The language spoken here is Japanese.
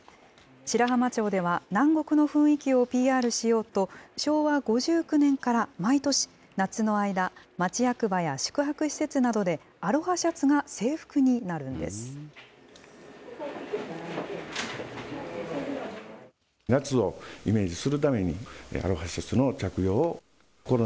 白浜町では南国の雰囲気をＰＲしようと、昭和５９年から毎年、夏の間、町役場や宿泊施設などで、アロハシャツが制服になるんです。